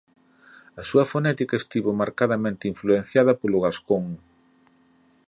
A súa fonética estivo marcadamente influenciada polo gascón.